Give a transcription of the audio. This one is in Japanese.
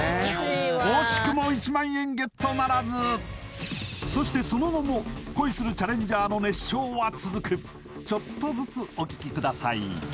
惜しくもそしてその後も恋するチャレンジャーの熱唱は続くちょっとずつお聴きください